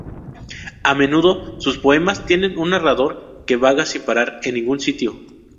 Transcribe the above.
A menudo sus poemas tienen un narrador que vaga sin parar en ningún sitio.